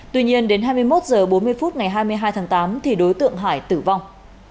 tuy nhiên đến hai mươi một h bốn mươi phút ngày hai mươi hai tháng tám thì đối tượng hải tử vong